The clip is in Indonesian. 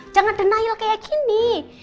jangan denial kayak gini